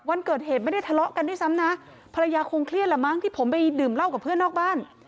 วันเกิดเหตุไม่ได้ทะเลาะกันด้วยซ้ำนะภรรยาคงเครียดละมั้งที่ผมไปดื่มเหล้ากับเพื่อนนอกบ้าน